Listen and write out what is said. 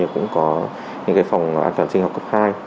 có những phòng an toàn sinh học cấp hai